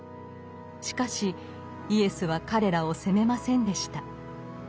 しかしイエスは彼らを責めませんでした。